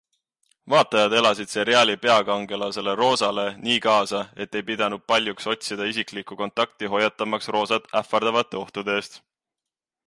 Vaatajad elasid seriaali peakangelasele Rosale nii kaasa, et ei pidanud paljuks otsida isiklikku kontakti hoiatamaks Rosat ähvardavate ohtude eest.